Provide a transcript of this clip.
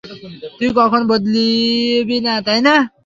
তুই কখনও বদলাবি না, তাই না?